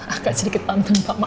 ah gak sedikit bantuan pak maaf